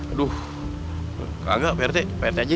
aduh kagak pak rete pak rete aja